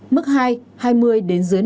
mức hai hai mươi đến dưới năm mươi